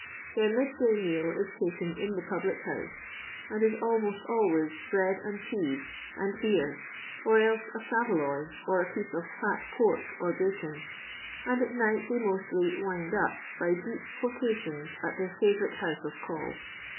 Their midday meal is taken in the public honse, and is almost always bread and cheese and beer, or dae a savalcj or a pieoe of fat pork or baooB, and at night they mostly " wind up " by deep potations at thsir fibvoarite house of call.